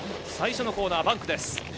最初のコーナー、バンクです。